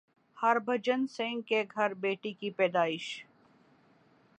ہربھجن سنگھ کے گھر بیٹی کی پیدائش